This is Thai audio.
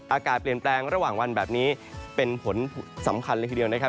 อากาศเปลี่ยนแปลงระหว่างวันแบบนี้เป็นผลสำคัญเลยทีเดียวนะครับ